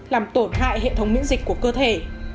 làm tổn hại hệ thống miễn dịch của cơ thể